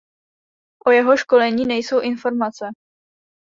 O jeho školení nejsou informace.